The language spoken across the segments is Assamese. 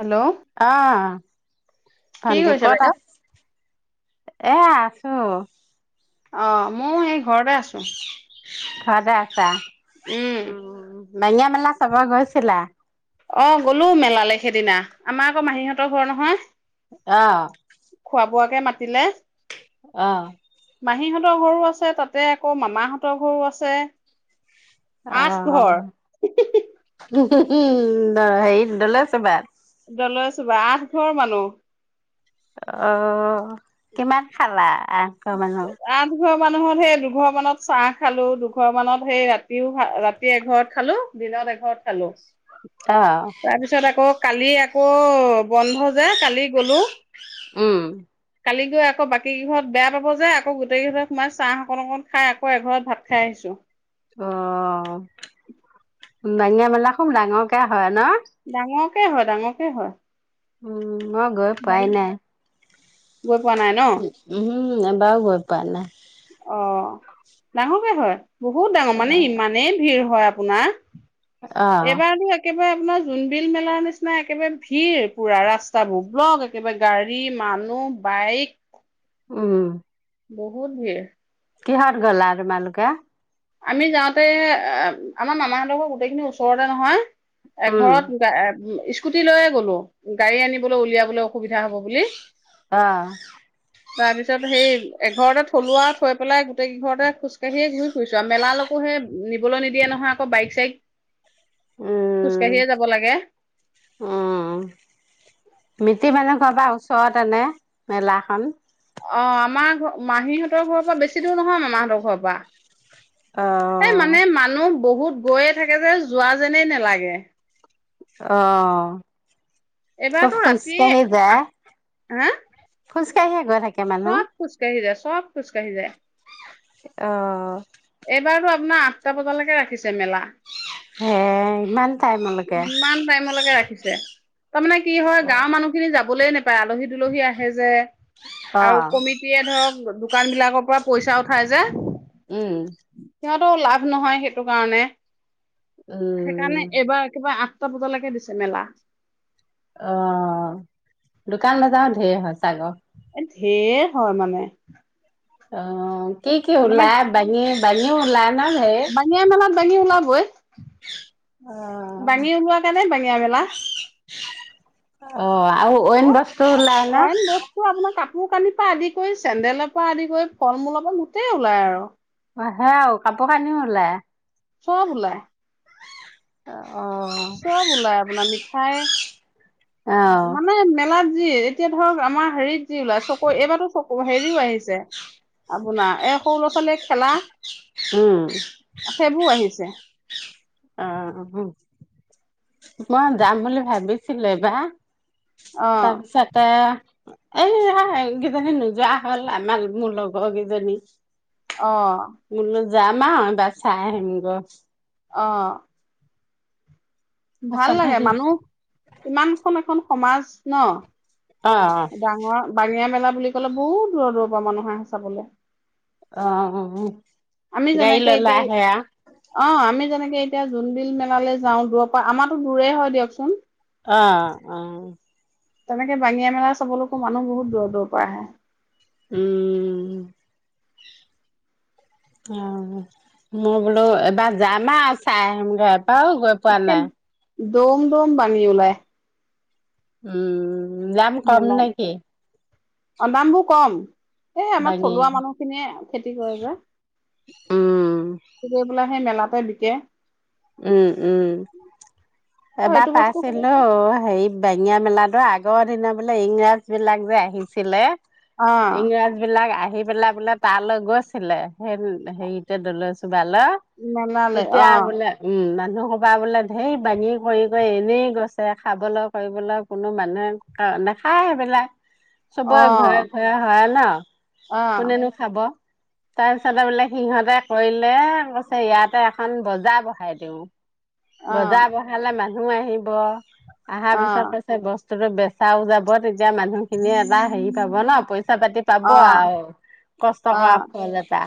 হেল্ল' অহ কি ভণ্টি, কৰিছে ক'ত আ, বাইদেউ? এয়া অহ অ' ময়ো সেই ঘৰতে আছোঁ। ঘৰতে আছা উম [unintelligible] মেলা চাব গৈছিলা অ গলো মেলালে সেইদিনা, আমাৰ আকৌ মাহীহঁতৰ ঘৰ নহয় অ। খোৱা বোৱাকে মাতিলে। অ'! মাহীহঁতৰ ঘৰো আছে তাতে আকৌ মামাহঁতৰ ঘৰো আছে। আঠ ঘৰ। হু! হু! হু! হেৰিত দলৈছুবাত। দলৈছুবা, আঠ ঘৰ মানুহ। অ, কিমান খালা? আঠ ঘৰ মানু্হ। আঠ ঘৰ মানুহত সেই দুঘৰ মানত চাহ খালো। দুঘৰ মানত সেই ৰাতিও ৰাতি এঘৰত খালো। দিনত এঘৰত খালো। অ তাৰপিছত আকৌ, কালি আক [unintelligible] বন্ধ যে কালি গ'লো। উম কালি সেই আকৌ বাকী গিঘৰত বেয়া পাব যে, আকৌ গোটেইকেই ঘৰত সোমাই চাহ অকন অকন খাই আকৌ এঘৰত ভাত খাই আহিছো। অ। বাঙিয়া মেলা, খুৱ ডাঙৰ কে হয়। ন। কে হয় ডাঙৰকে হয়। উম! মই গৈ পোৱা বাৰীত নাই। গৈ পোৱা নাই ন? উম এবাৰো গৈ পোৱা নাই। [inaudible] অ' ডাঙৰকে হয়। বহুত ডাঙৰ মানে ইমানেই ভিৰ হয় আপ পোনা অ এইবাৰটো একেবাৰে আপোনাৰ জোনবিল মেলাৰ নিচিনা একেবাৰে ভিৰ পুৰা ৰাস্তাবোৰ ব্লক একেবাৰে গাড়ী মানুহ বাইক। উম! বহুত ভিৰ। কিহত গ'লা তোমালোকে? আমি যাওঁতে এ আমাৰ মামাহঁতৰ গোটেইখিনি ওচৰতে নহয় উম এঘৰত স্কুটি লৈয়ে গ'লো। গাড়ী আনিবলৈ উলিয়াবলৈ অ সুবিধা হ'ব বুলি। অ তাৰপিছত সেই, এঘৰতে থলোঁ আৰু থৈ পেলাই গোটেই কিঘৰতে খোজকাঢ়িয়ে ঘূৰি মেলালকো হে নিবলৈ নিদিয়ে নহয়। আকৌ, বাইক চাইক। উম, খোজকাঢ়িয়ে যাব লাগে। উম, মিতি মানুহ পাবা ওচৰত এনে মেলাখন অ আমাৰ ঘ মাহীহঁতৰ ঘৰৰ পৰা বেছি দূৰ নহয় মামাহঁতৰ ঘৰৰ পৰা এ অ', মানে মানুহ বহুত গৈয়ে থাকে যে যোৱা যেনেই নালাগে অ', চব এইবাৰতো ৰাতি খোজকাঢ়ি যায়। আঠ হা খোজকাঢ়ি গৈ থাকে। মানুহ ক'ত খোজকাঢ়ি যোৱা চব খোজকাঢ়ি যায় অ এইবাৰতো আপোনাৰ আঠটা বজালৈকে ৰাখিছে মেলা। হে', ইমান টাইমলৈকে ইমান টাইমলৈকে ৰাখিছে তাৰমানানে কি হয় গাঁৱৰ মানুহখিনি যাব শুবলৈ নাপায় আলহী দুলহী আহে যে আৰু অ', কমিটিয়ে ধৰক দু দোকান বিলাকৰ পৰা পইচাও খাই যে। উম সিহঁতো লাভ নহয় সেইটো কাৰণে উম', কিবা আঠটা বজালৈকে দিছে মেলা অ দোকান নাযাও ধেৰ হ চাই লওঁ ঢেৰ হয় মানে। অহ ', কি কি মানে ওলাই বাহি বালি উলাই। না হে পানী ওলাবৈ অ', বাঙি ওলোৱা কাৰণে বাঙিয়া মেলা অ অ আৰু অইন অ বস্তু ওলালে কোৰ কানিৰ পৰা আদি কৰি চেন্দেলৰ পৰা আদি কৰি ফল মূলৰ পৰা গোটেই ওলাই আৰু আহে আৰু কাপোৰ কানিও ওলাই চব ওলাই। অ চব ওলাই আপোনাৰ মিঠাই অ মানে মেলাত যি এতিয়া ধৰক আমাৰ হেৰিত যি ওলাই চকু এইবাৰতো চকু হেৰিও আহিছে আপোনাৰ এই সৰু ল'ৰা ছোৱালীয়ে খেলা উম সেইবোৰ আহিছে অ মই যাম বুলি ভাবিছিলো এবাৰ অ তাৰ পিছতেই এইয়া এইকিজনী নোযোৱা হ'ল আমাৰ মোৰ লগ কিজনী অহ যাম আ এবাৰ চাই আহিম গৈ অ ভাল তাৰপিছত লাগে সি মানুহ ইমানখন এখন সমাজ ন অ', ডাঙৰ বাঙিয়া মেলা বুলি কলে বহুত দূৰৰ দূৰৰ পৰা মানুহ আহে চাবলৈ অ গাই যেনেকে লৈ লৈ এতিয়া আহে আও অ আমি যেনেকে এতিয়া জোনবিল মেলালৈ যাওঁ দূৰ পৰা আমাৰতো দূৰে হয় দিয়কচোন অ অ তেনেকে বাঙিয়া মেলা চাবলৈকো মানুহ বহুত দূৰৰ দূৰৰ পৰা আহে উম অ মই বোলো এবাৰ যামা চাই আহিম গে আৰু গৈ পোৱা একে নাই দৌম দৌম বালি ওলাই উম দাম কম মেলাত নেকি? অ দামবো কম এই আমাৰ বাঙি থলুৱা মানুহ খিনিয়ে খেতি কৰে যে উম, এইবিলাক সেই মেলাতে বিকে উম উম অ এবাৰ এইটো বস্তু পাইছিলো হেৰি বেঙিয়া মেলাতো আগৰ দিনে বোলে ইংৰাজ বিলাক যে আহিছিলে অ ইংৰাজ বিলাক আহি আহি পেলাই বোলে তালৈ গৈছিলে সেই হেৰিতে দলৈচুবা তালৈ মেলালে তেতিয়া অ', বোলে উ মানুহ খোপা বোলে ধেই বাঙি কৰি কৰি এনেই গৈছে খাবলৈ কৰিবলৈ কোনো মানুহে ক নেখায় এইবিলাক চবৰে ঘৰে অ', ঘৰে হয় ন অ', কোনেনো খাব তাৰপিছতে বোলে সিহতে কৰিলে কৈছে ইয়াতে এখন বজাৰ বহে খাই দিওঁ অ', অ', বজা বহালে মা [unintelligible] অ', আহাৰ পিছত অ', কৈছে বচ [unintelligible] বেচাও যাব [unintelligible] এতিয়া মানুহ খিনিয়ে এটা হেৰি পাব ন পইচা পাতি পাব অ', আৰু কষ্ট কৰা ফল এটা,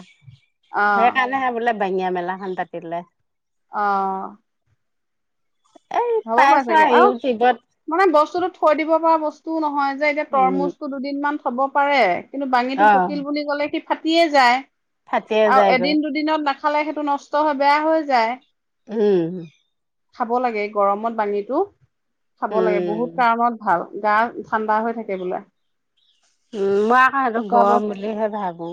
অ', সেইকাৰণেহে বোলে [unintelligible] অ' এই হ'ব পাৰে পাইছো চাগে আৰু ইউটিউবত মানে বস্তুটোত থৈ দিব পৰা বস্তু টো নহয় এতিয়া উম তৰমুজ টো দুদিনমান থ'ব পাৰে কিন্তু অ [unintelligible] পকিল বুলি গ'লে সি ফাটিয়ে যায়। ফাটিয়ে আৰু যায়গৈ এদিন দুদিনত খালে সেইটো নষ্ট হয় বেয়া হৈ যায়। উম। খাব লাগে গৰমত বাঙিটো। খাব লাগে উম বহুত কাৰণত ভাল। গা ঠাণ্ডা হৈ থাকে বোলে। উম', মই আকৌ সেইটো গম পেচাবত বুলিহে ভাবো।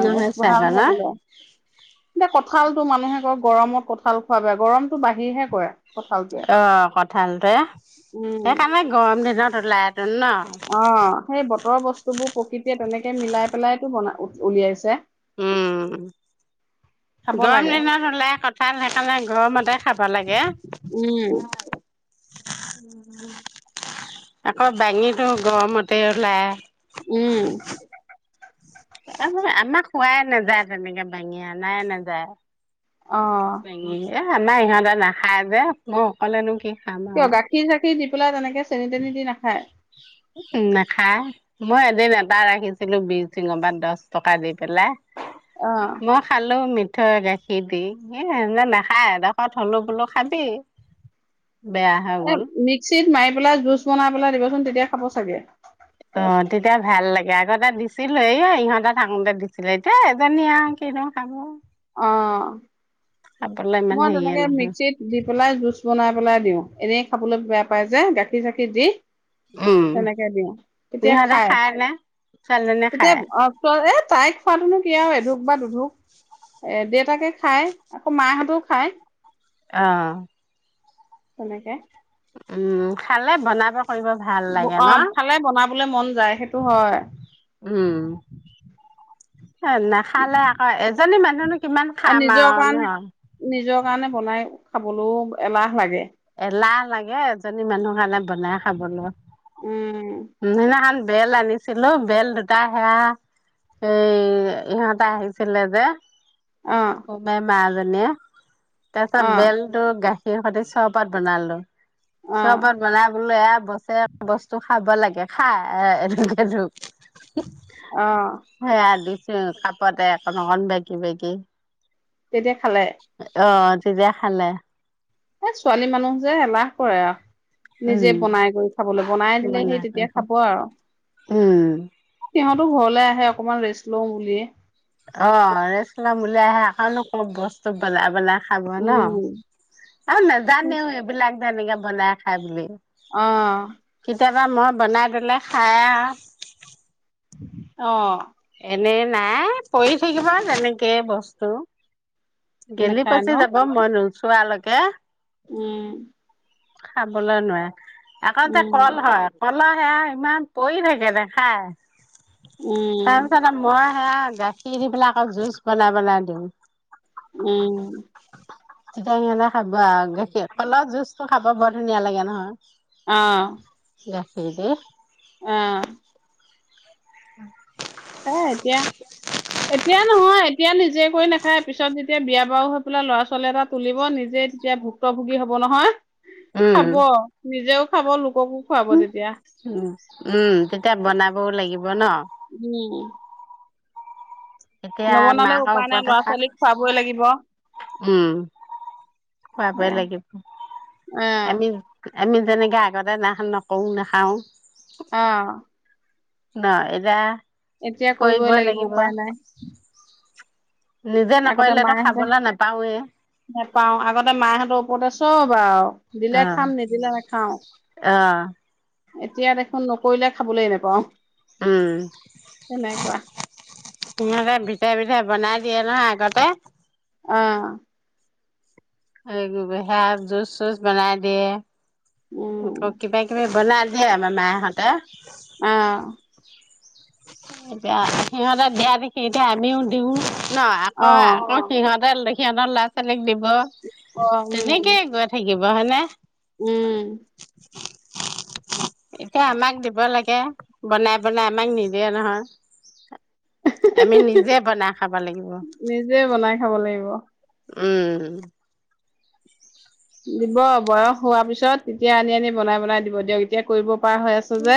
নহয় ভাল চাগে ন? হয় বোলে এতিয়া কঁঠালটো মানুহে কয় গৰমত কঁঠাল খোৱা বেয়া। গৰমতটো বহিৰহে কৰে। কঁঠালটোৱে। অ', কঁঠালটোৱে, উম, সেইকাৰণে গৰম দিনত [unintelligible] অ', সেই বতৰৰ বস্তু বোৰ এতিয়া তেনেকে মিলাই পেলাইতো বনাই উলিয়াইছে। উম', খাব গৰম লাগে। দিনত ওলাই কঠাল, সেইকাৰণে গৰমতে খাব লাগে। উম আকৌ বাাঙিটো গৰমতে ওলাই উম',। আমাক খোৱাই নাযায়, তেনেকে বেঙিয়া নাই নাযায়। অ', বাঙি এ আমাৰ ইহঁতেৰ নাখায় যে, মই অকলেনো কি খাম কিয় আৰু গাখীৰ চাখি দি সৰু ল'ৰাই যেনেকে চেনি তেনি দি নাখায়? নাখায় মই এদিন এটা ৰাখিছিলো বি চিঙ পৰা দহ টকা দি পেলাই। অ মই খালো মিঠ থৈ গাখীৰ দি এ নাখায় ডোখত হলো বোলো খাবি বেয়া হৈ এ গ'ল মিক্সিত মাৰি পেলাই জুচ বনাই পেলাই দিবচোন তেতিয়া খাব চাগে অ ', তেতিয়া ভাল লাগে আগ এটা দিছিলো এ অ', ইহঁতে থাকোতে দিছিলে এতিয়া এজনী আৰু কি নু খাব। অ খাবলৈ ইমান মই হেৰিয়ে তেনেকে নহয় মিক্সিত দি পেলাই জুচ বনাই পেলাই দিওঁ এনেই খাবলৈ বেয়া পাই যে গাখীৰ চাখিৰ দি। উম তেনেকে দিওঁ তেতিয়া সিহঁতে খাই নে ছোৱালীজনীয়ে তেতিয়া খায় এ তাইক খোৱাতনো ক আৰু এধোক বা দুধোক এ ', দেউতাকে খাই আকৌ মাহঁতো খাই অ তেনেকে উম 'খালে বনাব কৰিব ভাল লাগে ন। মোৰ বলে মন যায় সেইটো হয় উম', নাখালে আকৌ এজনী মানুহ কিমান খাম নিজৰ আৰু কাৰণে নহয়। নিজৰ কাৰণে বনাই খাবলৈও এলাহ লাগে লাহ লাগে এজনী মানুহ কাৰণে। বনাই খাবলৈ উম মানে অম [unintelligible] বেল আনিছিলো বেল দুটা সেয়া এই ইহঁতে আহিছিলে যে অ মই ম যে [inaudible] নে তাৰ পিছত অ', বেলতো গাখীৰ সেইয়া পাছো [unintelligible] চৰপত বনালো অ', চৰবত বনাই বোলো এ বছে বস্তু খাব লাগে খা এ- এ জোক অ', সেৱা আদি উ', কাপতে অকণ অকণ বেগী -বেগী তেতিয়া খালে। চিযেয়া খালে এহ 'ছোৱালী মানুহ যে এলাহ কৰে আৰু নিজে উম বনাই কৰি খাবলৈ বনাই দিলে সেই তেতিয়া খাব আৰু উম', সিহঁতো ঘৰলৈ আহে অকণমান ৰেষ্ট লওঁ বুলিয়ে অ' ৰেষ্ট ল'ম বুলি আহে অকণনো [unintelligible] বস্তু বনাই [unintelligible] খাব ন' উম আৰু নাজানেও এইবিলাক যে এনেকে বনাই খাই বুলি অ' কেতিয়াবা মই বনাই দিলে খাইয়ে আ অ' এনে নাই পৰি থাকিব তেনেকে বস্তু নেখায় ন গেলি-পচি যাব মই নো চোৱালৈকে উম খাবলৈ নোৱাৰে আকৌ [unintelligible] উম, কল হয় ক'লা সয়া ইমান পৰি থাকে নেখাই উম, তাৰপিছতে মই গাখীৰ দি পেলাই আকৌ জুচ বনাই বনাই দিওঁ উম, [unintelligible] খাবি বা গাখীৰ কলৰ জুচ খাব বৰ ধুনীয়া লাগে নহয় অ' গাখীৰ দি অ' [unintelligible] এ এতিয়া এতিয়া নহয় এতিয়া নিজে কৰি নাখায় পিছত য তেতিয়া বিয়া বাৰু হৈ পেলাই ল'ৰা-ছোৱালী এটা তুলিব নিজে তেতিয়া ভুক্তভোগী হ'ব নহয় উম খাব নিজেও খাব লোক উম উম তেতিয়া বনাবও লাগিব ন' উম এতিয়া নবনালেও মাকৰ উপায় নাই ওপৰত ল'ৰা খাক, ছোৱালীক খুৱাবই লাগিব উম খোৱাবই সেয়া লাগিব অ', আমি আমি যেনেকে আগতে নাহ নকৰো নাখাওঁ অ', ন' এতা এতিয়া কৰিবই লাগিব উপায় নাই নিজে আগতে নকৰিলেতো মাহঁতে খাবলৈ নাপাওৱে। নাপাওঁ আগতে মাহঁতৰ ওপৰতে চ চব আৰু দিলে অ', খাম নিদিলে নাখাওঁ। অ', এতিয়া দেখোন নকৰিলে খাবলৈয়ে নেপাওঁ উম সিহঁতে বিধে বিধে বনাই- দিয়ে নহয় আগতে, অহ [unintelligible] হ গ হেয়া জুচ চুচ বনাই দিয়ে উম, আকৌ কিবা কিবি বনাই দিয়ে আমাৰ মায়হঁতে অহ এতিয়া সিহঁতে দিয়া দেখি এতিয়া আমিও দিওঁ নহ আকৌ অ', আকৌ সিহতে দেখি সিহঁতৰ লৰা ছোৱালীক দিব অ', তেনেকে উম, গৈ থাকি- -লাগিব হয় নে উম এতিয়া আমাক দিব লাগে বনাই বনাই আমাক নিদিয়ে নহয় আমি নিজে বনাই খাব লাগিব নিজে বনাই খাব লাগিব। উম দিব বয়স হোৱাৰ পিছত তেতিয়া আনি আনি বনাই বনাই দিব দিয়ক এতিয়া কৰিব পাৰা হৈ আছে যে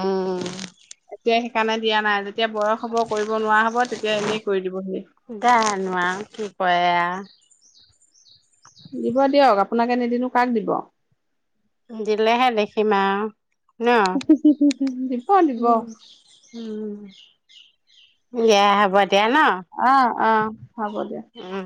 উম সেইকাৰণে দিয়া নাই তেতিয়া বয়স হ'ব কৰিব নোৱাৰা হ'ব তেতিয়া এনেই কৰি দিবহি জানো আৰু কি কৰে আৰু দিব দিয়ক আপোনাকে নিদিনো কাক দিব দিলেহে দেখিম আৰু ন দিব দিব দিয়া হব দিয়া দিয়া ন অ', অ হব দিয়া উম